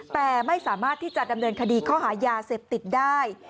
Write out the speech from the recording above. แต่ไม่สามารถที่จะดำเนินคดีข้อหายาเสพติดได้